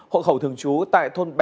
hội khẩu thường trú tại thôn